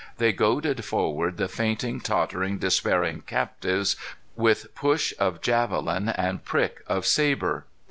They goaded forward the fainting, tottering, despairing captives with push of javelin and prick of sabre.